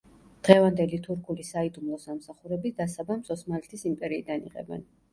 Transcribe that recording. დღევანდელი თურქული საიდუმლო სამსახურები დასაბამს ოსმალეთის იმპერიიდან იღებენ.